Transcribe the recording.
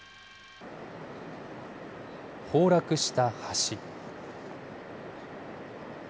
崩落した橋。